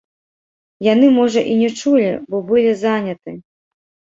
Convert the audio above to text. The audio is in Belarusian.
Яны можа і не чулі, бо былі заняты.